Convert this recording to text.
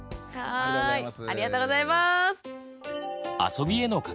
ありがとうございます。